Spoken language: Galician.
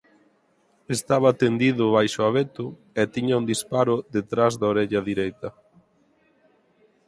Estaba tendido baixo o abeto e tiña un disparo detrás da orella dereita.